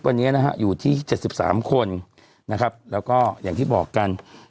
วันนี้นะฮะอยู่ที่๗๓คนนะครับแล้วก็อย่างที่บอกกัน